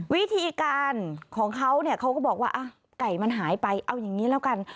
วิธีการของเขาเนี่ยเขาก็บอกว่าไก่มันหายไปเอาอย่างนี้แล้วกัน